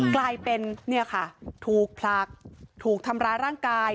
กลายเป็นเนี่ยค่ะถูกผลักถูกทำร้ายร่างกาย